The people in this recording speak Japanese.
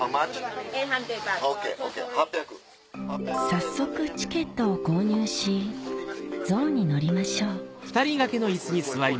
早速チケットを購入し象に乗りましょう怖い